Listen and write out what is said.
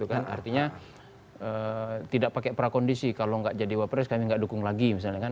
artinya tidak pakai prakondisi kalau tidak jadi wakil presiden tidak dukung lagi